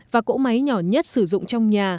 và cỗ máy nhỏ nhất sử dụng trong nhà